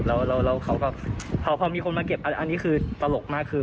แล้วเขาก็พอมีคนมาเก็บอันนี้คือตลกมากคือ